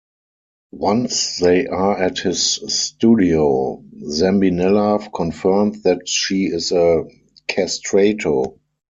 Once they are at his studio, Zambinella confirms that she is a castrato.